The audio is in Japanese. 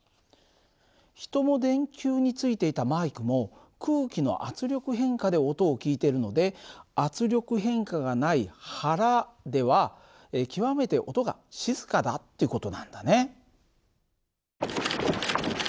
人も電球についていたマイクも空気の圧力変化で音を聞いてるので圧力変化がない腹では極めて音が静かだって事なんだね。